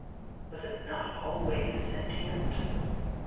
— was it not almost sentient?